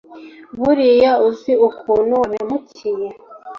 buriya uzi ukuntu wampemukiye